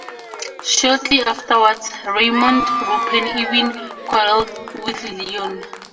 Shortly afterwards, Raymond-Roupen even quarreled with Leon.